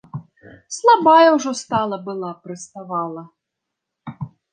Слабая ўжо стала была, прыставала.